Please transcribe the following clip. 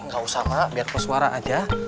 gak usah mak biar pesuara aja